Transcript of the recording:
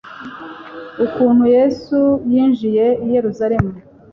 Ukuntu Yesu yinjiye i Yerusalemu